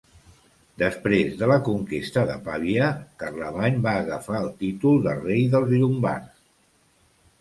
Després de la conquesta de Pavia Carlemany va agafar el títol de rei dels llombards.